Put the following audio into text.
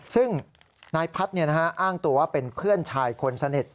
ซึ่งนายพัฒน์อ้างตัวว่าเป็นเพื่อนชายคนสนิท